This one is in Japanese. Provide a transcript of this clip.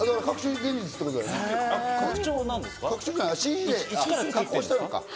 拡張なんですか？